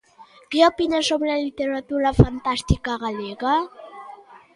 Que opina sobre a literatura fantástica galega?